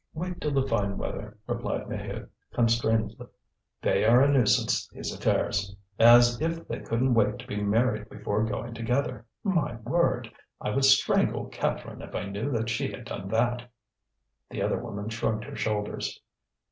"Wait till the fine weather," replied Maheude, constrainedly. "They are a nuisance, these affairs! As if they couldn't wait to be married before going together! My word! I would strangle Catherine if I knew that she had done that." The other woman shrugged her shoulders.